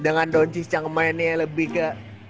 dengan don cicang mainnya lebih ke